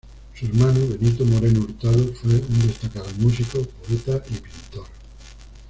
Su hermano Benito Moreno Hurtado fue un destacado músico, poeta y pintor.